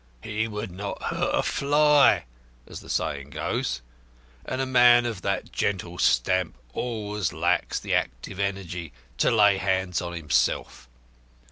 He would not hurt a fly, as the saying goes. And a man of that gentle stamp always lacks the active energy to lay hands on himself.